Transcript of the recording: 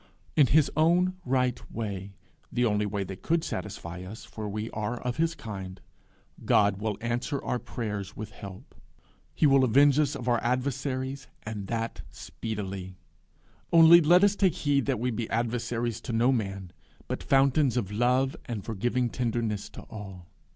In his own right way, the only way that could satisfy us, for we are of his kind, will God answer our prayers with help. He will avenge us of our adversaries, and that speedily. Only let us take heed that we be adversaries to no man, but fountains of love and forgiving tenderness to all.